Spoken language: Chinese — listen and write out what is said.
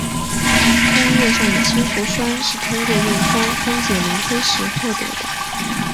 工业上的氢氟酸是通过用酸分解磷灰石获得的。